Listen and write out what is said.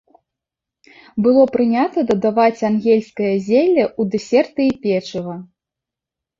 Было прынята дадаваць ангельскае зелле у дэсерты і печыва.